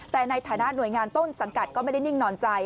แต่ในฐานะหน่วยงานต้นสังกัดก็ไม่ได้นิ่งนอนใจ